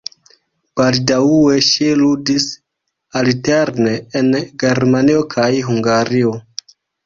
Baldaŭe ŝi ludis alterne en Germanio kaj Hungario.